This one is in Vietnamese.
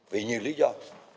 vì nhiều lý do